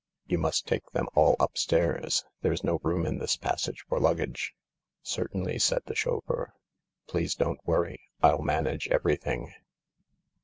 " You must take them all upstairs. There's no room in this passage for luggage." I'll 'If™ 1117 '" S l d tl f, chauffeur "Please don't worry. Ill manage everything."